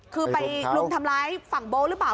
คือไปลุมทำร้ายฝั่งโบ๊ทหรือเปล่า